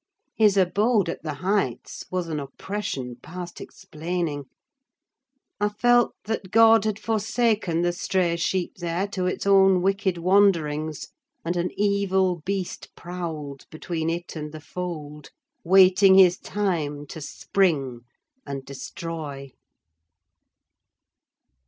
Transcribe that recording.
His abode at the Heights was an oppression past explaining. I felt that God had forsaken the stray sheep there to its own wicked wanderings, and an evil beast prowled between it and the fold, waiting his time to spring and destroy.